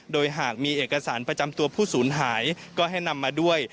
โดยหากมีเอกสารประจำตัวผู้สูญหายก็ให้นำมาด้วย